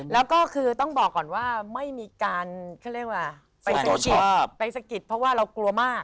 แล้วก็คือต้องบอกก่อนว่าไม่มีการไปสะกิดเพราะว่าเรากลัวมาก